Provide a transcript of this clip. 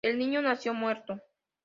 El niño nació muerto.